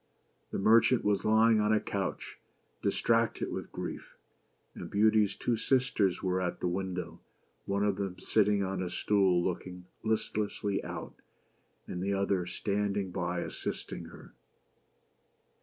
The merchant was lying on a couch, distracted with grief ; and Beauty's two sisters were at the window, one of them sitting on a stool looking listlessly out, and the other standing by assisting her.